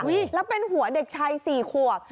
แล้วเป็นหัวเด็กชาย๔ขวบ